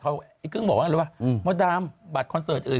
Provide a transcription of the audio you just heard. คุยกึ้งบอกว่ามดรามบัตรคอนเสิร์ตอื่น